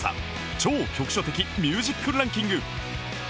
超局所的ミュージックランキング